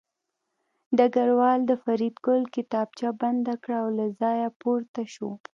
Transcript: ډګروال د فریدګل کتابچه بنده کړه او له ځایه پورته شو